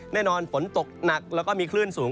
แน่นอนฝนตกหนักแล้วก็มีคลื่นสูง